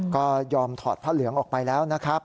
ก็ยอมถอดผ้าเหลืองออกไปแล้วนะครับ